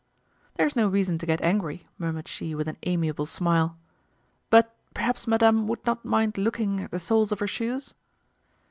"There's no reason to get angry," murmured she with an amiable smile. "But, perhaps madame would not mind looking at the soles of her shoes."